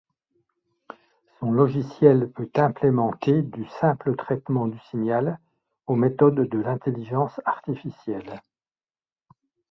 Son logiciel peut implémenter du simple traitement du signal aux méthodes de l'intelligence artificielle.